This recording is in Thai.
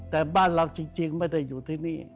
แต่บ้านเราจริงไม่ได้อยู่ที่นี่